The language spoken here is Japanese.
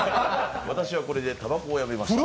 私はこれで、たばこをやめました。